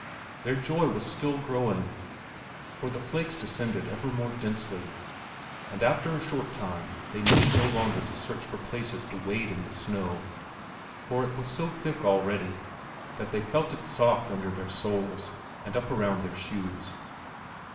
Their joy was still growing, for the flakes descended ever more densely, and after a short time they needed no longer to search for places to wade in the snow, for it was so thick already that they felt it soft under their soles and up around their shoes.